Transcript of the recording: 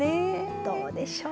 どうでしょう。